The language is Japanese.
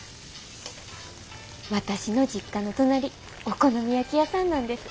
私の実家の隣お好み焼き屋さんなんです。